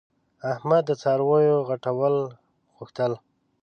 احمد د څارویو غټول غوښتل.